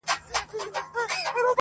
• په اور دي وسوځم، په اور مي مه سوځوه.